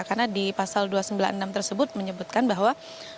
karena di pasal dua ratus sembilan puluh enam tersebut menyebutkan bahwa